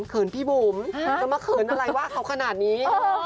เขินพี่บุ๋มจะมาเขินอะไรว่าเขาขนาดนี้